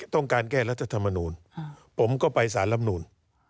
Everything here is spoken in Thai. ต้องการแก้รัฐธรรมนูลผมก็ไปสารลำนูน